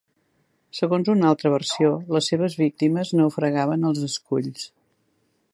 Segons una altra versió les seves víctimes naufragaven als esculls.